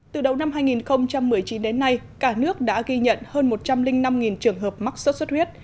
từ đầu năm hai nghìn một mươi chín đến nay cả nước đã ghi nhận hơn một trăm linh năm trường hợp mắc sốt xuất huyết